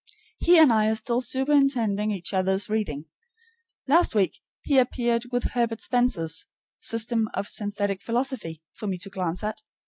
He and I are still superintending each other's reading. Last week he appeared with Herbert Spencer's "System of Synthetic Philosophy" for me to glance at.